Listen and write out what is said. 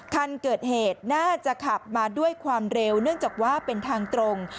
คันเกิดเหตุน่าจะขับมาด้วยความเร็วเนื่องจากว่าเป็นทางตรง